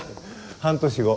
半年後。